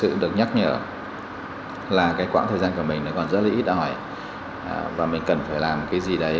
thực sự được nhắc nhở là cái quãng thời gian của mình còn rất là ít đòi và mình cần phải làm cái gì đấy